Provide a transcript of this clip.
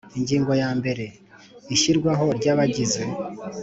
Ingingo ya mbere Ishyirwaho ry Abagize